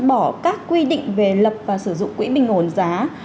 bỏ các quy định về lập và sử dụng quỹ bình ổn giá